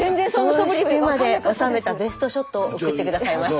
そうしてまで収めたベストショットを送って下さいました。